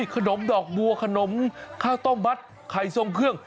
ขนมดอกบัวขนมข้าวต้มมัดไข่ทรงเครื่อง